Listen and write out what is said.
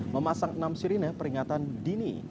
memasang enam sirine peringatan dini